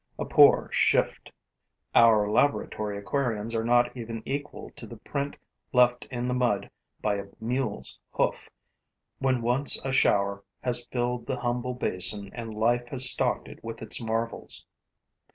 A poor shift! Our laboratory aquariums are not even equal to the print left in the mud by a mule's hoof, when once a shower has filled the humble basin and life has stocked it with its marvels.